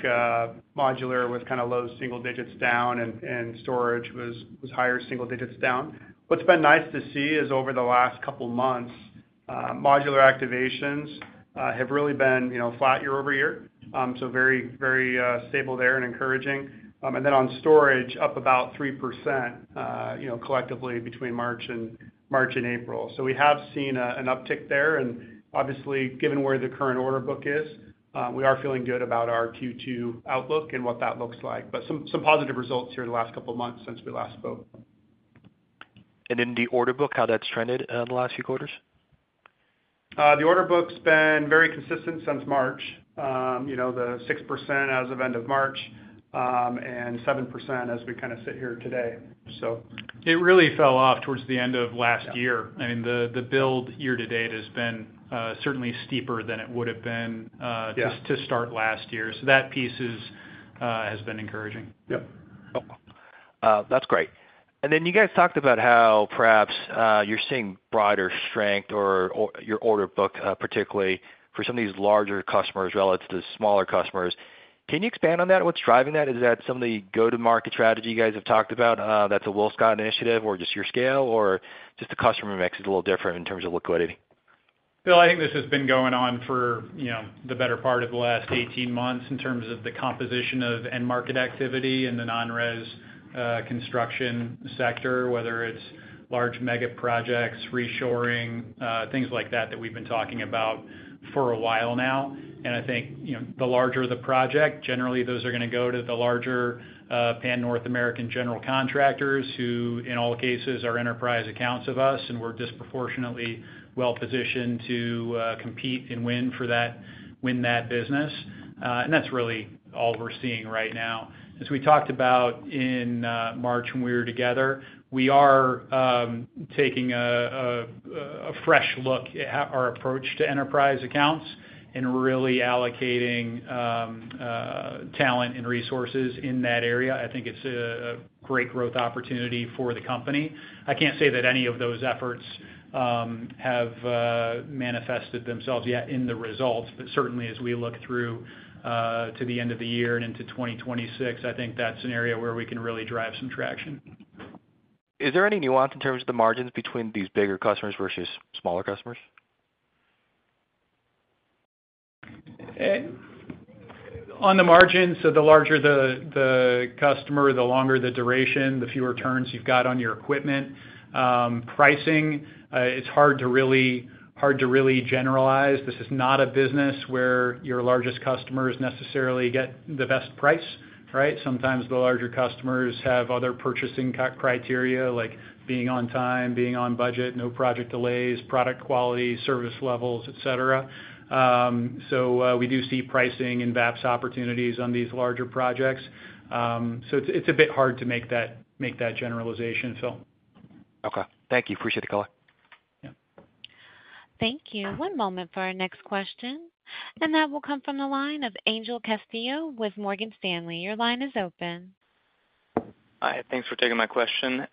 modular was kind of low single digits down, and storage was higher single digits down. What's been nice to see is over the last couple of months, modular activations have really been flat year-over-year, so very stable there and encouraging. On storage, up about 3% collectively between March and April. We have seen an uptick there, and obviously, given where the current order book is, we are feeling good about our Q2 outlook and what that looks like, but some positive results here the last couple of months since we last spoke. In the order book, how that's trended in the last few quarters? The order book's been very consistent since March, the 6% as of end of March and 7% as we kind of sit here today. It really fell off towards the end of last year. I mean, the build year to date has been certainly steeper than it would have been to start last year. That piece has been encouraging. Yep. That's great. You guys talked about how perhaps you're seeing broader strength or your order book, particularly for some of these larger customers relative to smaller customers. Can you expand on that? What's driving that? Is that some of the go-to-market strategy you guys have talked about? That's a WillScot initiative or just your scale or just the customer makes it a little different in terms of liquidity? Phil, I think this has been going on for the better part of the last 18 months in terms of the composition of end market activity in the non-res construction sector, whether it's large mega projects, reshoring, things like that that we've been talking about for a while now. I think the larger the project, generally, those are going to go to the larger Pan North American general contractors who, in all cases, are enterprise accounts of us, and we're disproportionately well-positioned to compete and win that business. That's really all we're seeing right now. As we talked about in March when we were together, we are taking a fresh look at our approach to enterprise accounts and really allocating talent and resources in that area. I think it's a great growth opportunity for the company. I can't say that any of those efforts have manifested themselves yet in the results, but certainly, as we look through to the end of the year and into 2026, I think that's an area where we can really drive some traction. Is there any nuance in terms of the margins between these bigger customers versus smaller customers? On the margins, the larger the customer, the longer the duration, the fewer turns you've got on your equipment. Pricing, it's hard to really generalize. This is not a business where your largest customers necessarily get the best price, right? Sometimes the larger customers have other purchasing criteria like being on time, being on budget, no project delays, product quality, service levels, etc. We do see pricing and VAPs opportunities on these larger projects. It's a bit hard to make that generalization, Phil. Okay. Thank you. Appreciate the call. Thank you. One moment for our next question, and that will come from the line of Angel Castillo with Morgan Stanley. Your line is open. Hi. Thanks for taking my question.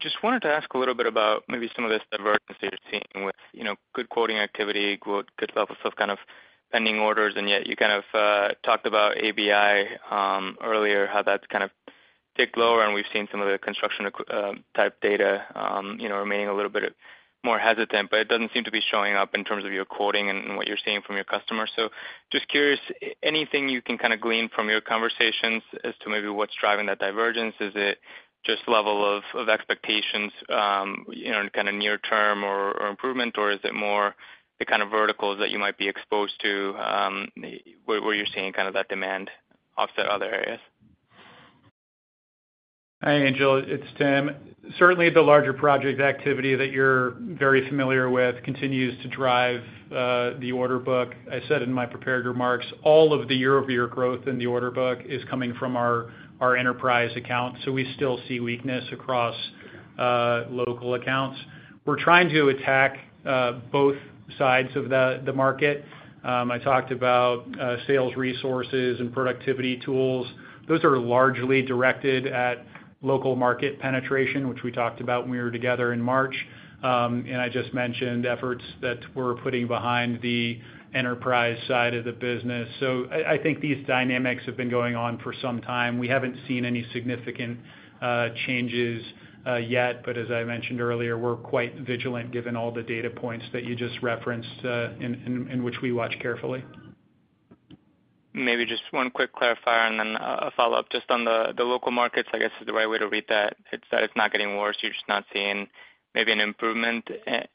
Just wanted to ask a little bit about maybe some of this divergence that you're seeing with good quoting activity, good level of kind of pending orders, and yet you kind of talked about ABI earlier, how that's kind of ticked lower, and we've seen some of the construction-type data remaining a little bit more hesitant, but it doesn't seem to be showing up in terms of your quoting and what you're seeing from your customers. Just curious, anything you can kind of glean from your conversations as to maybe what's driving that divergence? Is it just level of expectations in kind of near-term or improvement, or is it more the kind of verticals that you might be exposed to where you're seeing kind of that demand offset other areas? Hi, Angel. It's Tim. Certainly, the larger project activity that you're very familiar with continues to drive the order book. I said in my prepared remarks, all of the year-over-year growth in the order book is coming from our enterprise accounts, so we still see weakness across local accounts. We're trying to attack both sides of the market. I talked about sales resources and productivity tools. Those are largely directed at local market penetration, which we talked about when we were together in March, and I just mentioned efforts that we're putting behind the enterprise side of the business. I think these dynamics have been going on for some time. We haven't seen any significant changes yet, but as I mentioned earlier, we're quite vigilant given all the data points that you just referenced in which we watch carefully. Maybe just one quick clarifier and then a follow-up. Just on the local markets, I guess is the right way to read that, it's that it's not getting worse. You're just not seeing maybe an improvement.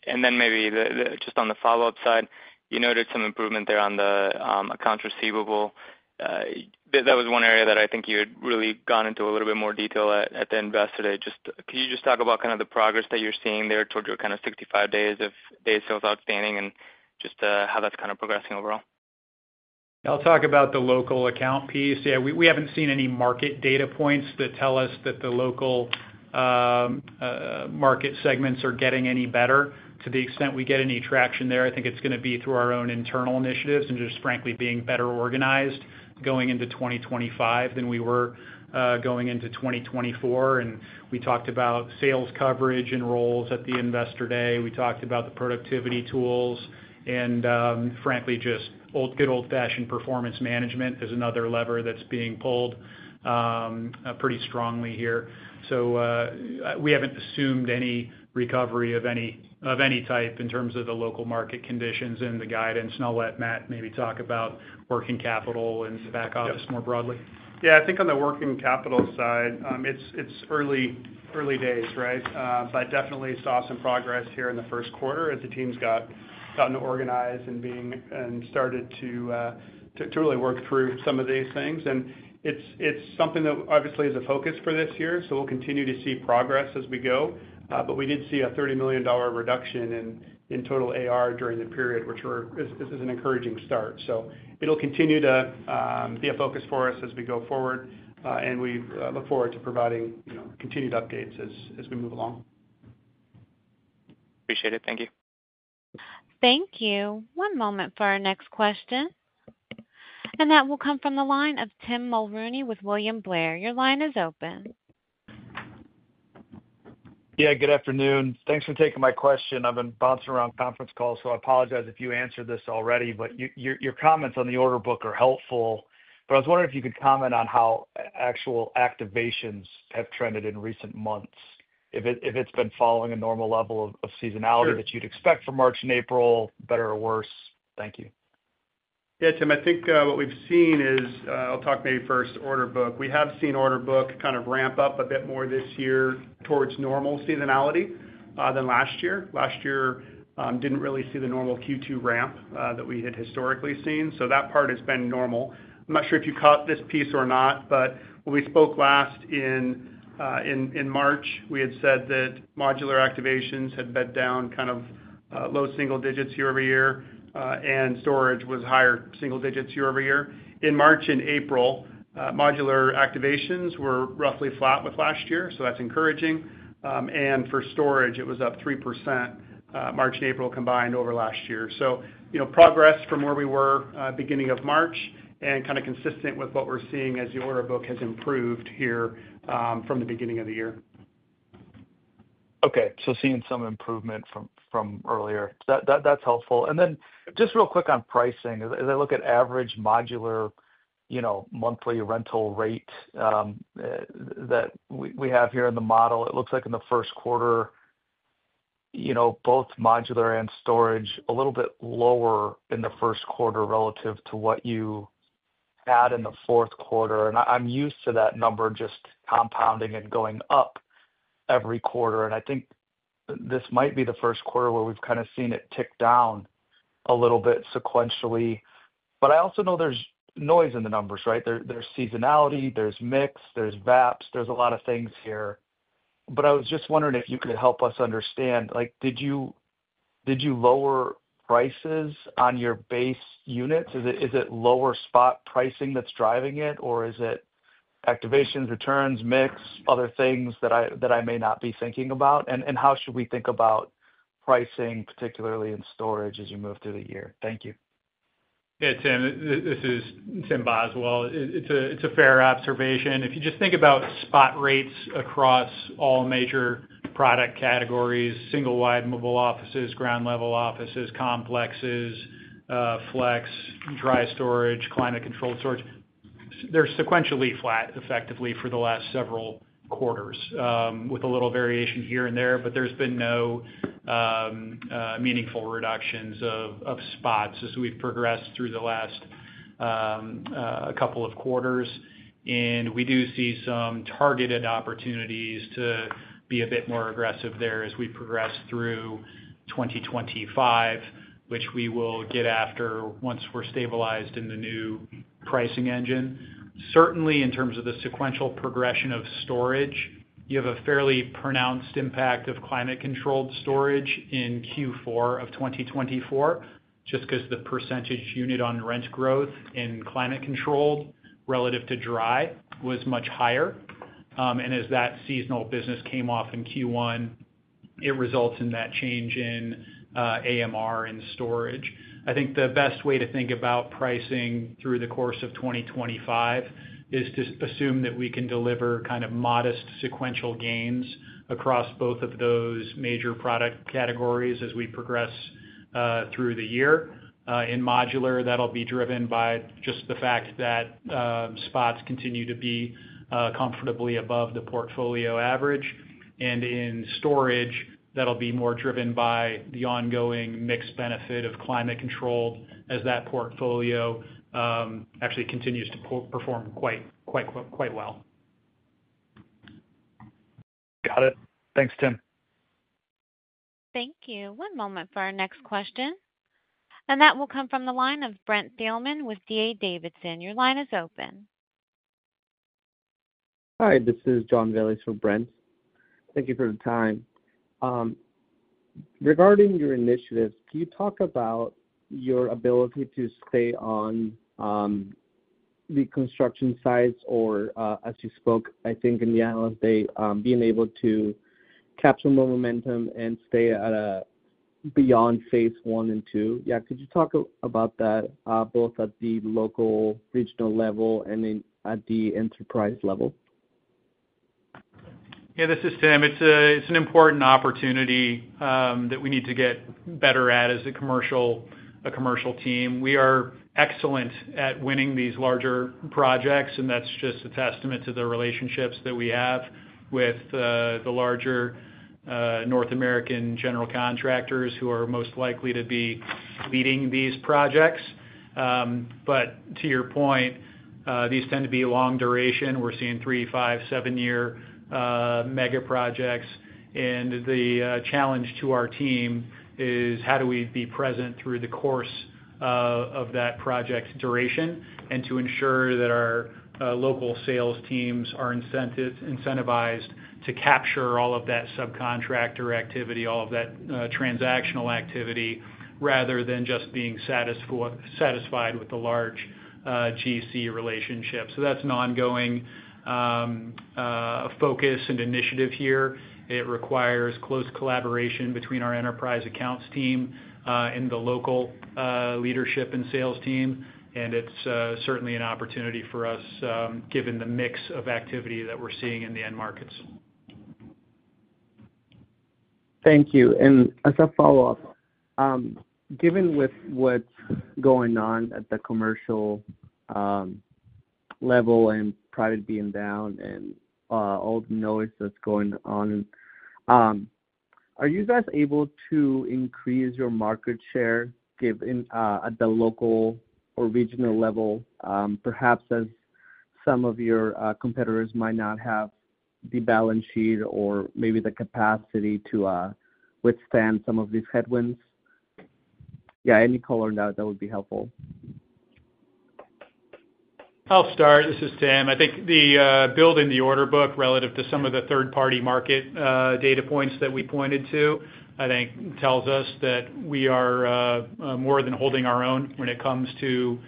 Maybe just on the follow-up side, you noted some improvement there on the accounts receivable. That was one area that I think you had really gone into a little bit more detail at the Investor Day. Could you just talk about kind of the progress that you're seeing there towards your kind of 65 days of sales outstanding and just how that's kind of progressing overall? I'll talk about the local account piece. Yeah. We haven't seen any market data points that tell us that the local market segments are getting any better. To the extent we get any traction there, I think it's going to be through our own internal initiatives and just frankly being better organized going into 2025 than we were going into 2024. We talked about sales coverage and roles at the Investor Day. We talked about the productivity tools, and frankly, just good old-fashioned performance management is another lever that's being pulled pretty strongly here. We haven't assumed any recovery of any type in terms of the local market conditions and the guidance, and I'll let Matt maybe talk about working capital and back office more broadly. Yeah. I think on the working capital side, it's early days, right? Definitely saw some progress here in the first quarter as the team's gotten organized and started to really work through some of these things. It's something that obviously is a focus for this year, so we'll continue to see progress as we go. We did see a $30 million reduction in total AR during the period, which is an encouraging start. It will continue to be a focus for us as we go forward, and we look forward to providing continued updates as we move along. Appreciate it. Thank you. Thank you. One moment for our next question, and that will come from the line of Tim Mulrooney with William Blair. Your line is open. Yeah. Good afternoon. Thanks for taking my question. I've been bouncing around conference calls, so I apologize if you answered this already, your comments on the order book are helpful. I was wondering if you could comment on how actual activations have trended in recent months, if it's been following a normal level of seasonality that you'd expect for March and April, better or worse? Thank you. Yeah. Tim, I think what we've seen is I'll talk maybe first order book. We have seen order book kind of ramp up a bit more this year towards normal seasonality than last year. Last year, didn't really see the normal Q2 ramp that we had historically seen. That part has been normal. I'm not sure if you caught this piece or not, but when we spoke last in March, we had said that modular activations had been down kind of low single digits year over year, and storage was higher single digits year over year. In March and April, modular activations were roughly flat with last year, so that's encouraging. For storage, it was up 3%, March and April combined over last year. Progress from where we were beginning of March and kind of consistent with what we're seeing as the order book has improved here from the beginning of the year. Okay. Seeing some improvement from earlier. That's helpful. Just real quick on pricing, as I look at average modular monthly rental rate that we have here in the model, it looks like in the first quarter, both modular and storage, a little bit lower in the first quarter relative to what you had in the fourth quarter. I'm used to that number just compounding and going up every quarter. I think this might be the first quarter where we've kind of seen it tick down a little bit sequentially. I also know there's noise in the numbers, right? There's seasonality, there's mix, there's VAPs, there's a lot of things here. I was just wondering if you could help us understand, did you lower prices on your base units? Is it lower spot pricing that's driving it, or is it activations, returns, mix, other things that I may not be thinking about? How should we think about pricing, particularly in storage, as you move through the year? Thank you. Yeah. Tim, this is Tim Boswell. It's a fair observation. If you just think about spot rates across all major product categories: single-wide mobile offices, ground-level offices, complexes, FLEX, dry storage, climate-controlled storage, they're sequentially flat, effectively, for the last several quarters with a little variation here and there, but there's been no meaningful reductions of spots as we've progressed through the last couple of quarters. We do see some targeted opportunities to be a bit more aggressive there as we progress through 2025, which we will get after once we're stabilized in the new pricing engine. Certainly, in terms of the sequential progression of storage, you have a fairly pronounced impact of climate-controlled storage in Q4 of 2024 just because the percentage unit on rent growth in climate-controlled relative to dry was much higher. As that seasonal business came off in Q1, it results in that change in AMR in storage. I think the best way to think about pricing through the course of 2025 is to assume that we can deliver kind of modest sequential gains across both of those major product categories as we progress through the year. In modular, that'll be driven by just the fact that spots continue to be comfortably above the portfolio average. In storage, that'll be more driven by the ongoing mixed benefit of climate-controlled as that portfolio actually continues to perform quite well. Got it. Thanks, Tim. Thank you. One moment for our next question, and that will come from the line of Brent Thielman with D.A. Davidson. Your line is open. Hi. This is Jean Veliz for Brent. Thank you for the time. Regarding your initiatives, can you talk about your ability to stay on the construction sites or, as you spoke, I think in the analyst, being able to capture more momentum and stay beyond phase one and two? Yeah. Could you talk about that both at the local regional level and at the enterprise level? Yeah. This is Tim. It's an important opportunity that we need to get better at as a commercial team. We are excellent at winning these larger projects, and that's just a testament to the relationships that we have with the larger North American general contractors who are most likely to be leading these projects. To your point, these tend to be long duration. We're seeing three, five, seven-year mega projects. The challenge to our team is how do we be present through the course of that project's duration and to ensure that our local sales teams are incentivized to capture all of that subcontractor activity, all of that transactional activity, rather than just being satisfied with the large GC relationship. That's an ongoing focus and initiative here. It requires close collaboration between our enterprise accounts team and the local leadership and sales team. It is certainly an opportunity for us given the mix of activity that we're seeing in the end markets. Thank you. As a follow-up, given with what's going on at the commercial level and private being down and all the noise that's going on, are you guys able to increase your market share at the local or regional level, perhaps as some of your competitors might not have the balance sheet or maybe the capacity to withstand some of these headwinds? Yeah. Any color on that, that would be helpful. I'll start. This is Tim. I think building the order book relative to some of the third-party market data points that we pointed to, I think, tells us that we are more than holding our own when it comes to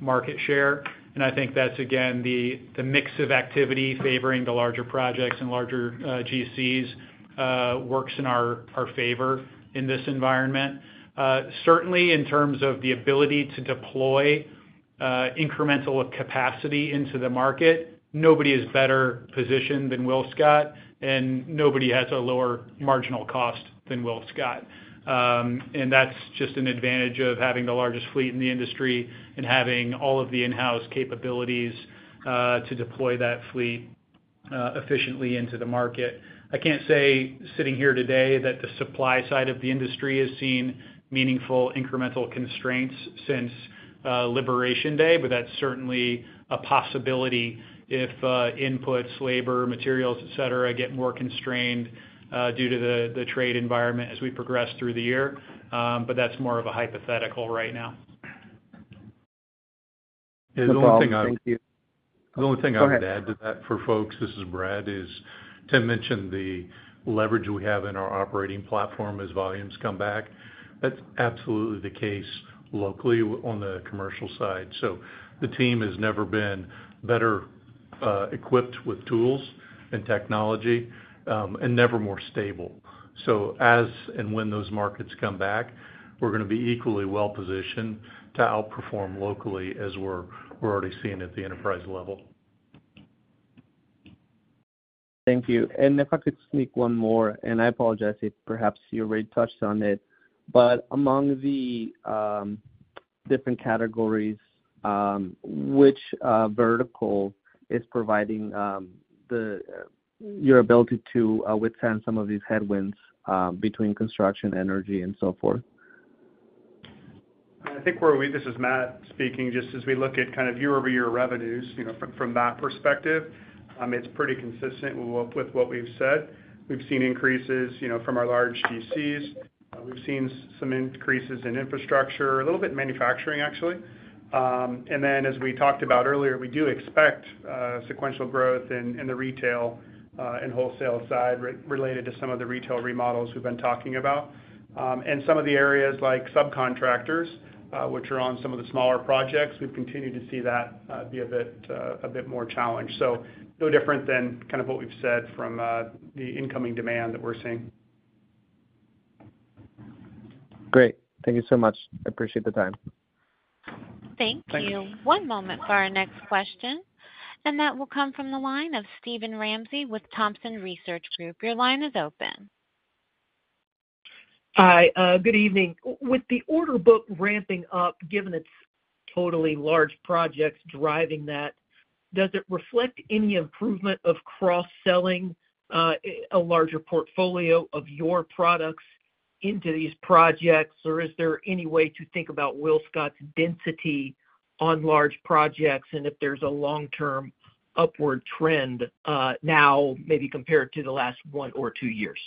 market share. I think that's, again, the mix of activity favoring the larger projects and larger GCs works in our favor in this environment. Certainly, in terms of the ability to deploy incremental capacity into the market, nobody is better positioned than WillScot, and nobody has a lower marginal cost than WillScot. That's just an advantage of having the largest fleet in the industry and having all of the in-house capabilities to deploy that fleet efficiently into the market. I can't say sitting here today that the supply side of the industry has seen meaningful incremental constraints since Liberation Day, but that's certainly a possibility if inputs, labor, materials, etc., get more constrained due to the trade environment as we progress through the year. That is more of a hypothetical right now. Tim, thank you. The only thing I would add to that for folks, this is Brad, is Tim mentioned the leverage we have in our operating platform as volumes come back. That's absolutely the case locally on the commercial side. The team has never been better equipped with tools and technology and never more stable. As and when those markets come back, we're going to be equally well-positioned to outperform locally as we're already seeing at the enterprise level. Thank you. If I could sneak one more, I apologize if perhaps you already touched on it, but among the different categories, which vertical is providing your ability to withstand some of these headwinds between construction, energy, and so forth? I think where we—this is Matt speaking—just as we look at kind of year-over-year revenues from that perspective, it's pretty consistent with what we've said. We've seen increases from our large GCs. We've seen some increases in infrastructure, a little bit in manufacturing, actually. As we talked about earlier, we do expect sequential growth in the retail and wholesale side related to some of the retail remodels we've been talking about. Some of the areas like subcontractors, which are on some of the smaller projects, we've continued to see that be a bit more challenged. No different than kind of what we've said from the incoming demand that we're seeing. Great. Thank you so much. I appreciate the time. Thank you. One moment for our next question, and that will come from the line of Steven Ramsey with Thompson Research Group. Your line is open. Hi. Good evening. With the order book ramping up, given it is totally large projects driving that, does it reflect any improvement of cross-selling a larger portfolio of your products into these projects, or is there any way to think about WillScot's density on large projects and if there is a long-term upward trend now, maybe compared to the last one or two years?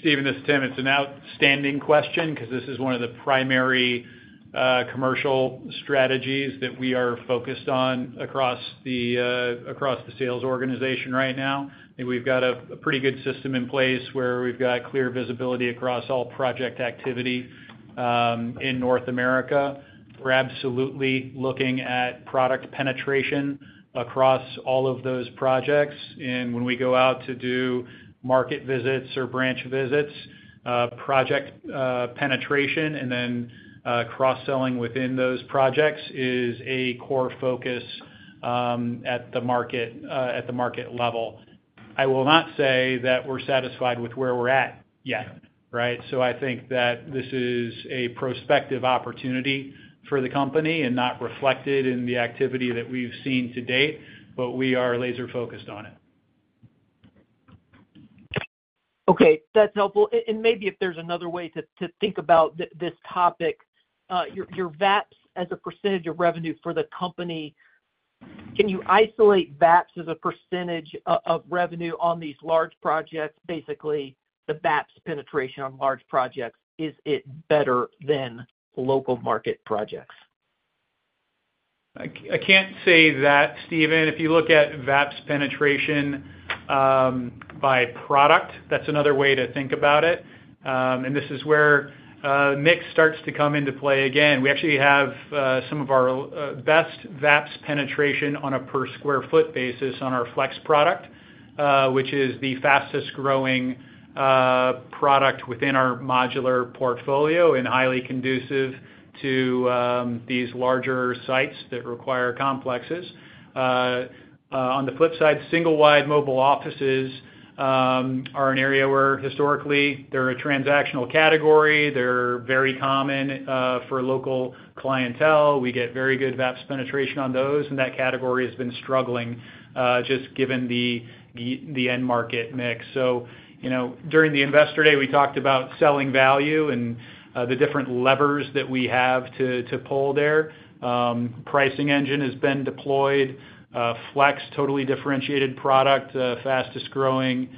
Steven, this is Tim. It's an outstanding question because this is one of the primary commercial strategies that we are focused on across the sales organization right now. I think we've got a pretty good system in place where we've got clear visibility across all project activity in North America. We're absolutely looking at product penetration across all of those projects. When we go out to do market visits or branch visits, project penetration and then cross-selling within those projects is a core focus at the market level. I will not say that we're satisfied with where we're at yet, right? I think that this is a prospective opportunity for the company and not reflected in the activity that we've seen to date, but we are laser-focused on it. Okay. That's helpful. Maybe if there's another way to think about this topic, your VAPs as a percentage of revenue for the company, can you isolate VAPs as a percentage of revenue on these large projects? Basically, the VAPs penetration on large projects, is it better than local market projects? I can't say that, Steven. If you look at VAPs penetration by product, that's another way to think about it. This is where mix starts to come into play again. We actually have some of our best VAPs penetration on a per-square-foot basis on our FLEX product, which is the fastest-growing product within our modular portfolio and highly conducive to these larger sites that require complexes. On the flip side, single-wide mobile offices are an area where historically they're a transactional category. They're very common for local clientele. We get very good VAPs penetration on those, and that category has been struggling just given the end market mix. During the Investor Day, we talked about selling value and the different levers that we have to pull there. Pricing engine has been deployed, FLEX, totally differentiated product, fastest-growing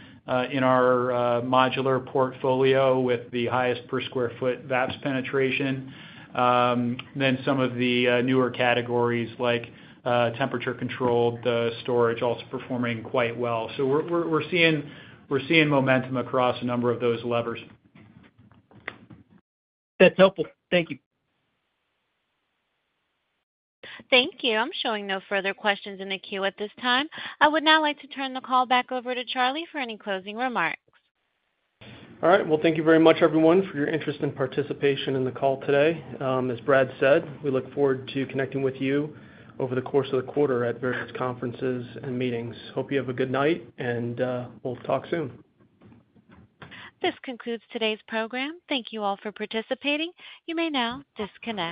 in our modular portfolio with the highest per-square-foot VAPs penetration. Some of the newer categories like temperature-controlled storage also performing quite well. We are seeing momentum across a number of those levers. That's helpful. Thank you. Thank you. I'm showing no further questions in the queue at this time. I would now like to turn the call back over to Charlie for any closing remarks. All right. Thank you very much, everyone, for your interest and participation in the call today. As Brad said, we look forward to connecting with you over the course of the quarter at various conferences and meetings. Hope you have a good night, and we'll talk soon. This concludes today's program. Thank you all for participating. You may now disconnect.